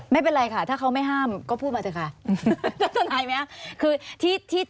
ไม่เป็นไรค่ะถ้าเขาไม่ห้ามก็พูดมาเถอะค่ะถ้านายมั้ยค่ะคือที่เตรียม